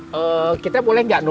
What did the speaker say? pakde pergi mana